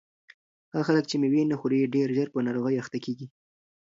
هغه خلک چې مېوې نه خوري ډېر ژر په ناروغیو اخته کیږي.